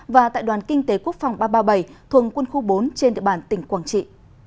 và tại đoàn kinh tế quốc phòng ba trăm ba mươi bảy thuồng quân khu bốn trên địa bàn tỉnh quảng trị